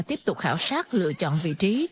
tiếp tục khảo sát lựa chọn vị trí